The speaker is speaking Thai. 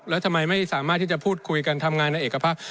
แล้วทำไมไม่สามารถที่จะพูดคุยกันทำงานในเอกภาพ